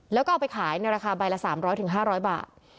แล้วก็เอาไปขายในราคาใบละสามร้อยถึงห้าร้อยบาท